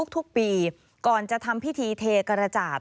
ทุกปีก่อนจะทำพิธีเทกระจาด